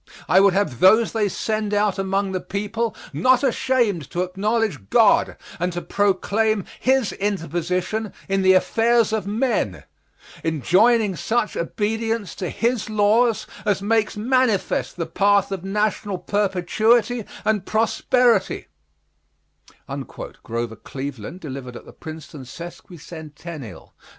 I would have those they send out among the people not ashamed to acknowledge God, and to proclaim His interposition in the affairs of men, enjoining such obedience to His laws as makes manifest the path of national perpetuity and prosperity GROVER CLEVELAND, delivered at the Princeton Sesqui Centennial, 1896.